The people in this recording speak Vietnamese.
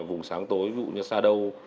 vùng sáng tối ví dụ như shadow